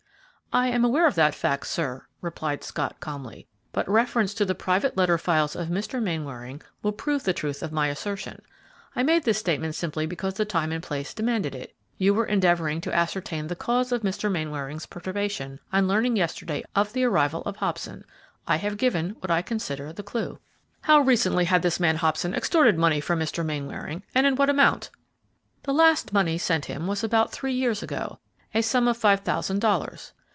"I am aware of that fact, sir," replied Scott, calmly, "but reference to the private letter files of Mr. Mainwaring will prove the truth of my assertion. I made this statement simply because the time and place demanded it. You were endeavoring to ascertain the cause of Mr. Mainwaring's perturbation on learning yesterday of the arrival of Hobson. I have given what I consider the clue." "How recently had this man Hobson extorted money from Mr. Mainwaring, and in what amount?" "The last money sent him was about three years ago, a sum of five thousand dollars.